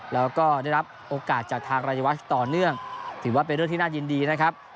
แล้วก็ได้รับโอกาสจากทางรายวัชต่อเนื่องถือว่าเป็นเรื่องที่น่ายินดีนะครับ